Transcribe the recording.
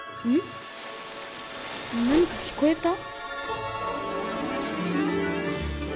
何か聞こえた！